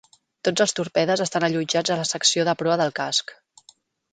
Tots els torpedes estan allotjats a la secció de proa del casc.